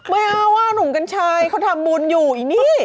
ไม่เอาว่าหนุ่มกัญชัยเขาทำบุญอยู่อีนี่